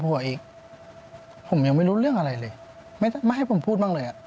ยังไม่รู้เรื่องอะไรเลยไม่ให้ผมพูดบ้างเลย